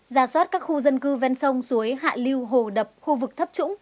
ra soát các khu dân cư ven sông suối hạ lưu hồ đập khu vực thấp trũng